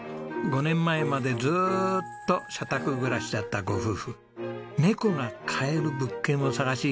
５年前までずっと社宅暮らしだったご夫婦ネコが飼える物件を探し